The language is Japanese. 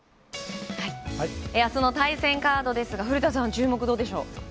あすの対戦カードですが、古田さん、注目はどうでしょう。